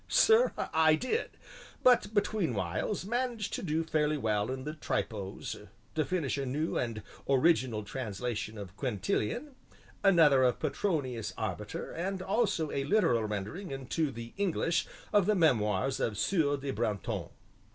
"Sir, I did, but between whiles managed to do fairly well in the Tripos, to finish a new and original translation of Quintilian, another of Petronius Arbiter and also a literal rendering into the English of the Memoirs of the Sieur de Brantome."